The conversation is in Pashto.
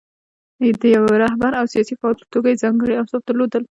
د یوه رهبر او سیاسي فعال په توګه یې ځانګړي اوصاف درلودل.